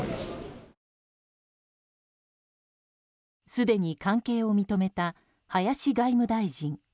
すでに関係を認めた林外務大臣。